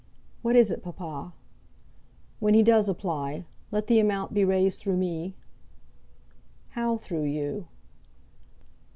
"What is it, papa?" "When he does apply, let the amount be raised through me?" "How through you?"